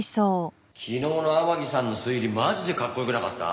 昨日の天樹さんの推理マジでかっこよくなかった？